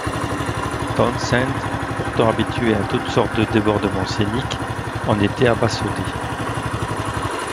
Townshend, pourtant habitué à toutes sortes de débordements scéniques, en était abasourdi.